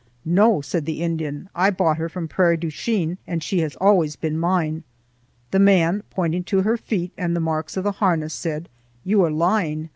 "No," said the Indian, "I brought her from Prairie du Chien and she has always been mine." The man, pointing to her feet and the marks of the harness, said: "You are lying.